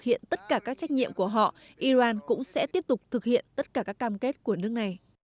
hiện tất cả các trách nhiệm của họ iran cũng sẽ tiếp tục thực hiện tất cả các cam kết của nước này